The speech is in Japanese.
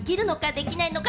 できないのか？